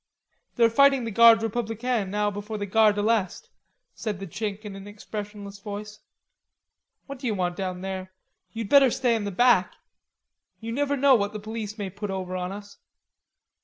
"They're fighting the Garde Republicaine now before the Gare de l'Est," said the Chink in an expressionless voice. "What do you want down here? You'd better stay in the back. You never know what the police may put over on us."